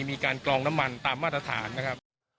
มีการกรองน้ำมันตามมาตรฐานนะครับ